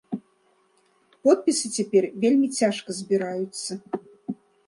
Подпісы цяпер вельмі цяжка збіраюцца.